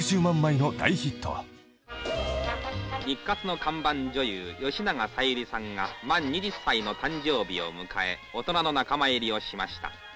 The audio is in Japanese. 日活の看板女優吉永小百合さんが満２０歳の誕生日を迎え大人の仲間入りをしました。